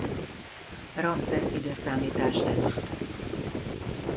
Ramszesz i.e.